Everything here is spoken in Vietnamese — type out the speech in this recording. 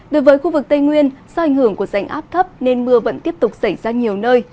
đối với khu vực tây nguyên do ảnh hưởng của rãnh áp thấp nên mưa vẫn tiếp tục xảy ra nhiều nơi